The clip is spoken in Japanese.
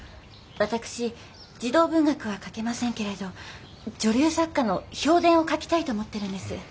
私児童文学は書けませんけれど女流作家の評伝を書きたいと思ってるんです。